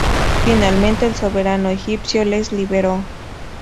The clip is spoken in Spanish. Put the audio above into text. Finalmente, el soberano egipcio les liberó.